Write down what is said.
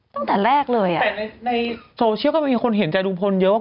ตั้งแต่แรกเลยอ่ะแต่ในโซเชียลก็มีคนเห็นใจลุงพลเยอะ